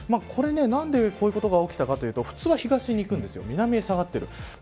何でこういうことが起きたかというと普通は東へ行くんですが南に下がっている。